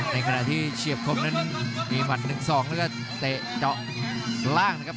ในขณะที่เฉียบคมนั้นมีหมัด๑๒แล้วก็เตะเจาะล่างนะครับ